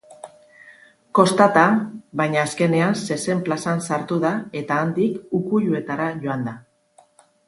Kostata, baina azkenean zezen plazan sartu da eta handik ukuiluetara joan da.